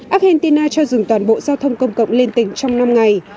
argentina cho dừng toàn bộ giao thông công cộng lên tỉnh trong năm ngày